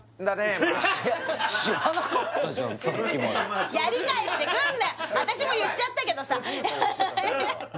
ヤバい私も言っちゃったけどさ